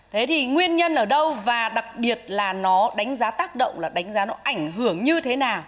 thế thì nguyên nhân ở đâu và đặc biệt là nó đánh giá tác động là đánh giá nó ảnh hưởng như thế nào